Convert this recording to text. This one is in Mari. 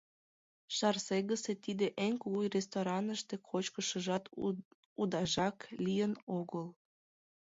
Шарсегысе тиде эн кугу рестораныште кочкышыжат удажак лийын огыл.